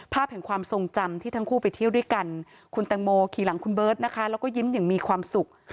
ภาพแห่งความทรงจำที่ทั้งคู่ไปเที่ยวด้วยกันคุณแตงโมขี่หลังคุณเบิร์ตนะคะแล้วก็ยิ้มอย่างมีความสุข